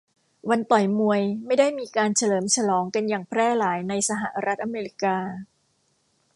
วันต่อยมวยไม่ได้มีการเฉลิมฉลองกันอย่างแพร่หลายในสหรัฐอเมริกา